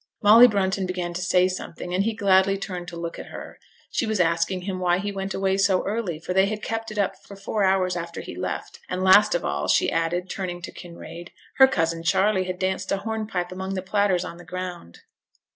Molly Brunton began to say something, and he gladly turned to look at her. She was asking him why he went away so early, for they had kept it up for four hours after he left, and last of all, she added (turning to Kinraid), her cousin Charley had danced a hornpipe among the platters on the ground.